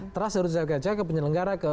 trust harus kita jaga ke penyelenggara ke